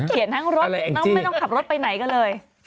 ทั้งรถไม่ต้องขับรถไปไหนก็เลย